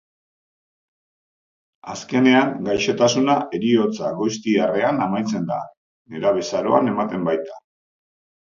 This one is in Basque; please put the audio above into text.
Azkenean, gaixotasuna heriotza gozitiarrean amaitzen da, nerabezaroan ematen baita.